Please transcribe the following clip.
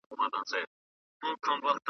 دېوال نم زړوي خو انسان غم زړوي .